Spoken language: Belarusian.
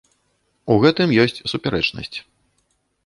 У гэтым ёсць супярэчнасць.